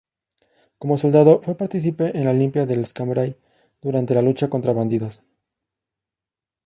Como soldado, fue partícipe en la limpia del Escambray durante la lucha contra bandidos.